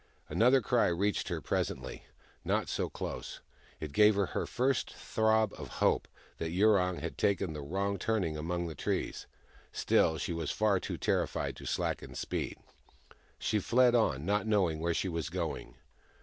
Another cry reached her presently, not so close. It gave her her first throb of hope that Yurong had taken the wrong turning among the trees. Still she was far too terrified to slacken speed. She fled on, not knowing where she was going.